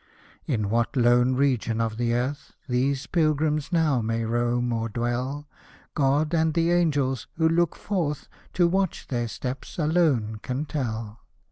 In what lone region of the earth These Pilgrims now may roam or dwell, God and the Angels, who look forth To watch their steps, alone can tell.